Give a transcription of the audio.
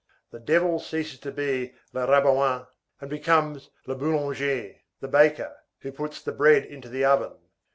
The devil ceases to be le rabouin, and becomes le boulanger (the baker), who puts the bread into the oven.